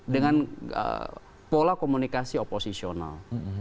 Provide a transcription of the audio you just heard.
dengan pola komunikasi oposisional